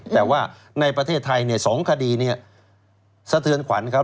แต่ว่าในประเทศไทย๒คดีนี้สะเทือนขวัญครับ